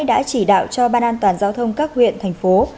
đã chỉ đạo cho ban an toàn giao thông các huyện thành phố